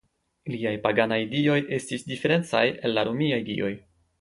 Iliaj paganaj dioj estis diferencaj el la romiaj dioj.